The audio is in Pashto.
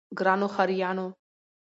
ګرانو ښاريانو!